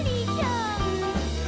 「ん？！